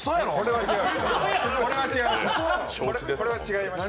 これは違いました。